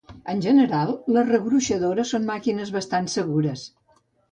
En general les regruixadores són màquines bastant segures.